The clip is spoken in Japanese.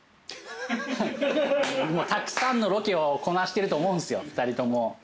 たくさんのロケをこなしてると思う２人とも。